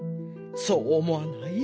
そうおもわない？